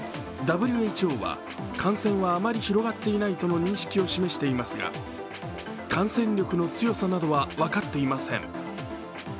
ＷＨＯは感染はあまり広がっていないとの認識を示していますが感染力の強さなどは分かっていません。